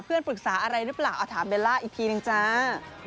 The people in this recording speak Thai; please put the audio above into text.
เพื่อนปรึกษาอะไรหรือเปล่าถามเวลาอีกทีหนึ่งจ้า